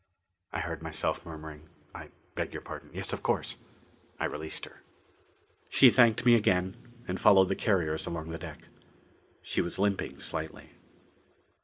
I heard myself murmuring, "I beg your pardon. Yes, of course!" I released her. She thanked me again and followed the carriers along the deck. She was limping slightly.